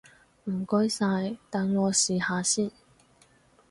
唔該晒，等我試下先！